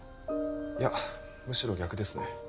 いやむしろ逆ですね